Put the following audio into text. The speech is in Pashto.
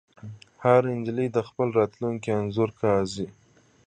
هرې نجلۍ د خپل راتلونکي انځور کاږه